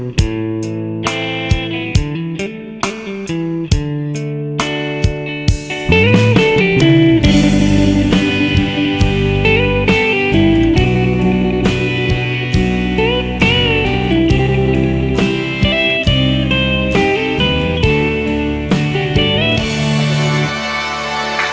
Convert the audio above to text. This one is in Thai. อุรัมเพลิน